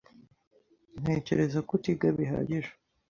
Ntekereza ko utiga bihagije.